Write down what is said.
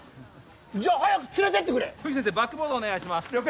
じゃあ早く連れてってくれ冬木先生バックボードをお願いします了解！